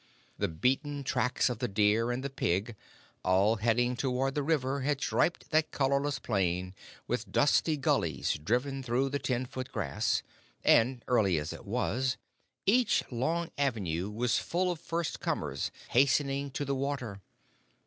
The beaten tracks of the deer and the pig, all heading toward the river, had striped that colorless plain with dusty gullies driven through the ten foot grass, and, early as it was, each long avenue was full of first comers hastening to the water.